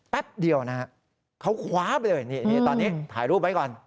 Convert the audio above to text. แป๊บเดียวนะฮะเขาคว้าไปเลยนี่ตอนนี้ถ่ายรูปไว้ก่อน